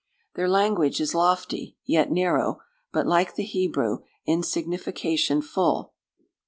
"Their language is lofty, yet narrow; but like the Hebrew, in signification full.